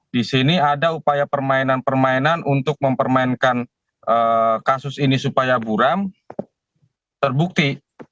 di sini ada upaya permainan permainan untuk mempermainkan kasus ini supaya buram terbukti